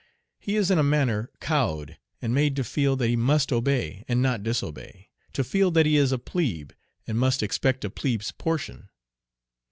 He is in a manner cowed and made to feel that he must obey, and not disobey; to feel that he is a plebe, and must expect a plebe's portion.